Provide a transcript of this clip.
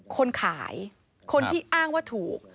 คนขายคนที่อ้างว่าถูก